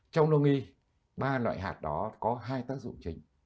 trong đồng y ba loại hạt đó có hai tác dụng chính